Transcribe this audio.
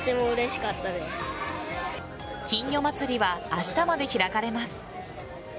金魚まつりは明日まで開かれます。